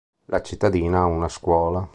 La cittadina ha una scuola.